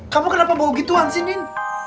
kamu kenapa bau gitu anssinin